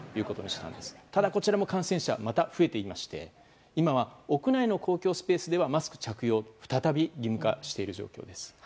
ただ、こちらも感染者がまた増えていまして今は屋内の公共スペースではマスク着用を再び義務化しています。